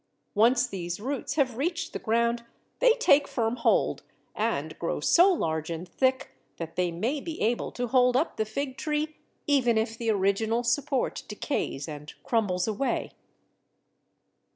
Once these roots have reached the ground, they take firm hold and grow so large and thick that they may be able to hold up the Fig tree even if the original support decays and crumbles away.